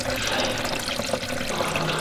که موضوع روښانه نه وي نو لوستونکی به سرګردانه سي.